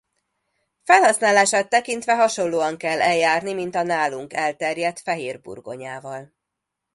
Felhasználását tekintve hasonlóan kell eljárni mint a nálunk elterjedt fehér burgonyával.